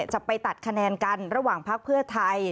จะไปตัดคะแนนกันระหว่างพักเพื่อไทย